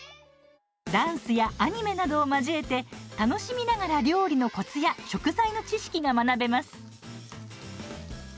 ダンスやアニメなどを交えて楽しみながら料理のコツや食材の知識が学べます。